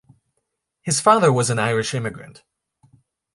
His father was an Irish immigrant.